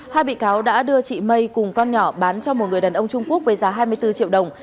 hai bị cáo đã đưa chị mây cùng con nhỏ bán cho một người đàn ông trung quốc với giá hai mươi bốn triệu đồng